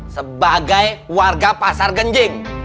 sebagai warga pasar genjing